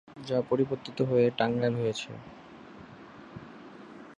যা পরিবর্তীত হয়ে টাঙ্গাইল হয়েছে।